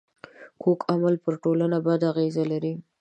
کوږ عمل پر ټولنه بد اغېز لري